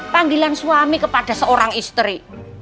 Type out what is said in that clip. panggilan suami kepada seorang istri